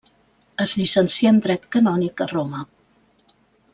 Es llicencià en dret canònic a Roma.